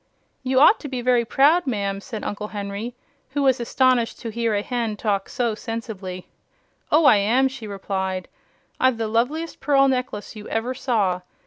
"You ought to be very proud, ma'am," said Uncle Henry, who was astonished to hear a hen talk so sensibly. "Oh, I am," she replied. "I've the loveliest pearl necklace you ever saw.